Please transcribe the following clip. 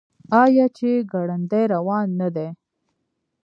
آیا چې ګړندی روان نه دی؟